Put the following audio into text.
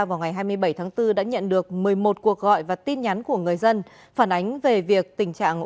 vào ngày hai mươi bảy tháng bốn đã nhận được một mươi một cuộc gọi và tin nhắn của người dân phản ánh về việc tình trạng